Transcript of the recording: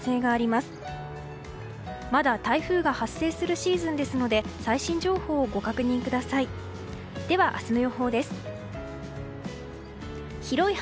まだ台風が発生するシーズンですので最新情報をご確認ください。